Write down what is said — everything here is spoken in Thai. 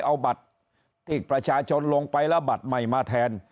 เอาบัตรที่ประชาชนลงไปแล้วบัตรใหม่มาแทน